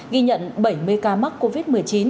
ghi nhận bảy mươi ca mắc covid một mươi chín